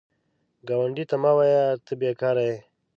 ګاونډي ته مه وایه “ته بېکاره یې”